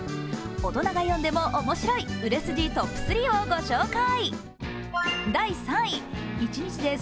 大人が読んでも面白い売れ筋トップ３を御紹介。